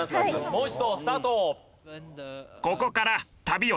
もう一度スタート。